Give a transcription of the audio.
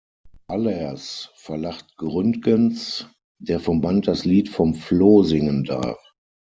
Allers verlacht Gründgens, der vom Band das Lied vom Floh singen darf".